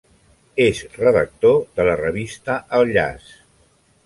És redactor de la revista El Llaç.